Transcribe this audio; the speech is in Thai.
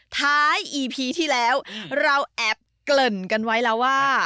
ท้ายอีพีที่แล้วเราแอบเกริ่นกันไว้แล้วว่า